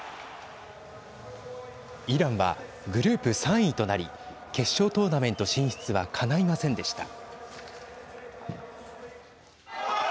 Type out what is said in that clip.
イランは、グループ３位となり決勝トーナメント進出はかないませんでした。